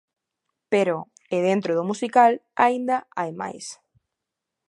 Pero, e dentro do musical, aínda hai máis.